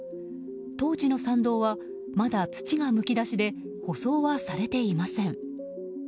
当時の参道はまだ土がむき出しで舗装はされていません。